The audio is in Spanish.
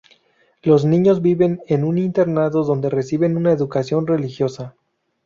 Los niños viven en un internado donde reciben una educación religiosa.